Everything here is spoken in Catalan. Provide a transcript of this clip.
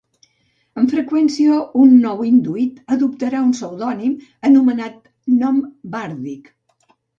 Amb freqüència un nou induït adoptarà un pseudònim, anomenat nom bàrdic.